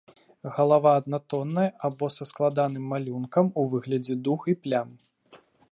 Галава аднатонная або са складаным малюнкам у выглядзе дуг і плям.